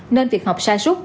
nên việc học xa suốt